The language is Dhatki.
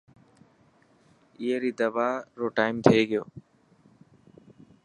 اي ري دوا رو ٽائيمٿي گيو.